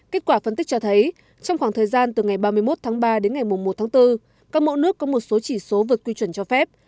kết quả phân tích cho thấy trong khoảng thời gian từ ngày ba mươi một tháng ba đến ngày một tháng bốn các mẫu nước có một số chỉ số vượt quy chuẩn cho phép